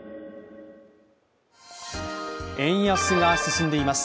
円安が進んでいます。